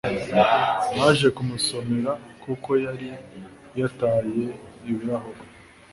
naje kumusomera kuko yari yataye ibirahure